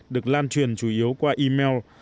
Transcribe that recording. được lan truyền chủ yếu qua email